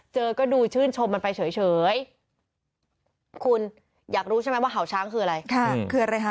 เจอก็ดูชื่นชมมันไปเฉยคุณอยากรู้ใช่ไหมว่าเห่าช้างคืออะไรคืออะไรคะ